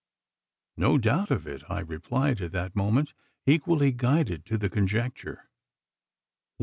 "No doubt of it," I replied, at that moment equally guided to the conjecture.